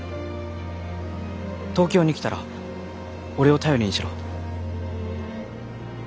東京に来たら俺を頼りにしろ。